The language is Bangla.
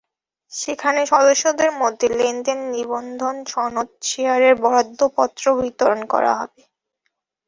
সেখানে সদস্যদের মধ্যে লেনদেনের নিবন্ধন সনদ, শেয়ারের বরাদ্দপত্র বিতরণ করা হবে।